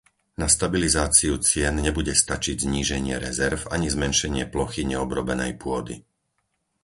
Na stabilizáciu cien nebude stačiť zníženie rezerv ani zmenšenie plochy neobrobenej pôdy.